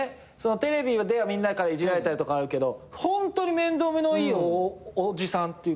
テレビではみんなからいじられたりとかあるけどホントに面倒見のいいおじさん。